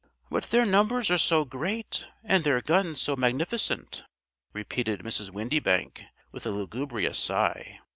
"But their numbers are so great and their guns so magnificent," repeated Mrs. Windybank with a lugubrious sigh.